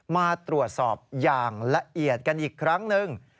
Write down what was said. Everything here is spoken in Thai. มาตรวจสอบอย่างละเอียดกันอีกครั้งหนึ่ง